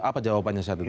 apa jawabannya saat itu pak